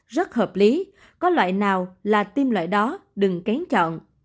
rất hợp lý có loại nào là tiêm loại đó đừng kén chọn